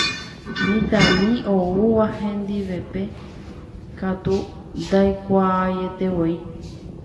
Mitãmi oúva hendivépe katu ndaikuaaietevoi.